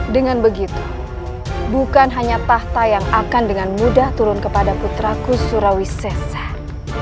dengan begitu bukan hanya tahta yang akan dengan mudah turun kepada putraku surawi sesar